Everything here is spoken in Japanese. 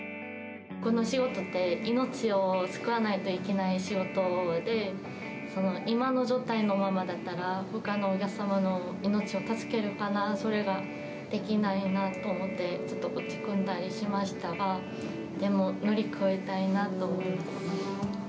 この仕事って、命を救わないといけない仕事で、今の状態のままだったら、ほかのお客様の命を助けられるかな、それができないなと思って、ちょっと落ち込んだりしましたが、でも乗り越えたいなと思います。